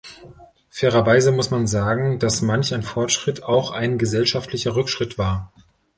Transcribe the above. Fairerweise muss man sagen, dass manch ein Fortschritt auch ein gesellschaftlicher Rückschritt war.